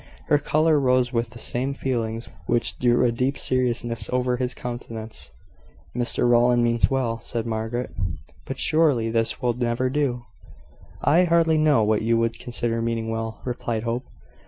Her colour rose with the same feelings which drew a deep seriousness over his countenance. "Mr Rowland means well," said Margaret; "but surely this will never do." "I hardly know what you would consider meaning well," replied Hope.